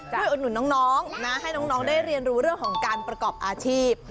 อุดหนุนน้องนะให้น้องได้เรียนรู้เรื่องของการประกอบอาชีพ